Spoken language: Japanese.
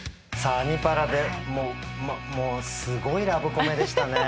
「アニ×パラ」でもうすごいラブコメでしたね。